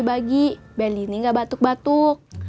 biar nini ga batuk dua